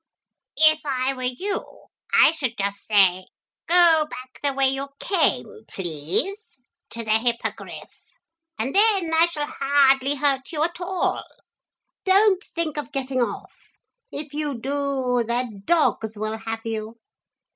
If I were you I should just say "Go back the way you came, please," to the Hippogriff, and then I shall hardly hurt you at all. Don't think of getting off. If you do, the dogs will have you.